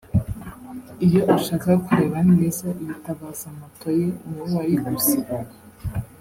Iyo ashaka kureba neza yitabaza moto ye niwe wayiguze